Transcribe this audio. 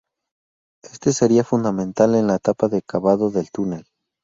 Éste sería fundamental en la etapa de cavado del túnel.